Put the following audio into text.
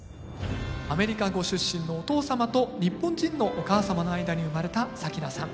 アメリカご出身のお父様と日本人のお母様の間に生まれた咲菜さん。